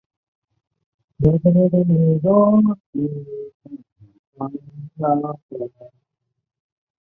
内政部民政司是中华民国内政部下属机关。